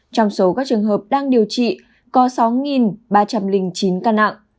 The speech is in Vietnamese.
trong số các trường hợp đang điều trị có sáu ba trăm linh chín ca nặng